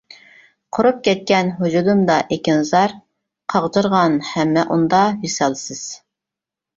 قۇرۇپ كەتكەن ۋۇجۇدۇمدا ئېكىنزار، قاغجىرىغان ھەممە ئۇندا ۋىسالسىز.